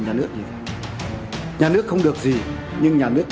có nơi quyết liệt có nơi còn thụ động